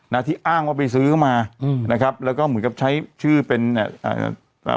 นะที่อ้างว่าไปซื้อมาอืมนะครับแล้วก็เหมือนกับใช้ชื่อเป็นเนี้ยอ่าอ่า